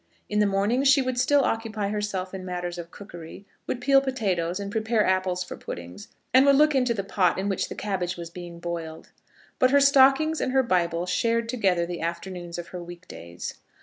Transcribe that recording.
In the morning, she would still occupy herself in matters of cookery, would peel potatoes, and prepare apples for puddings, and would look into the pot in which the cabbage was being boiled. But her stockings and her Bible shared together the afternoons of her week days.